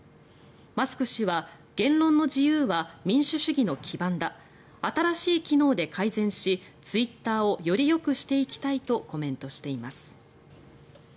マスク氏は言論の自由は民主主義の基盤だ新しい機能で改善しツイッターをよりよくしていきたいとコメントしています。